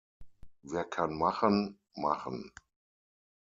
Wer kann machen, machen.